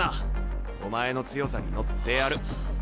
お前の強さに乗ってやる。